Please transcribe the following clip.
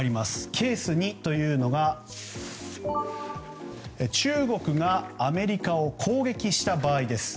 ケース２というのが中国がアメリカを攻撃した場合です。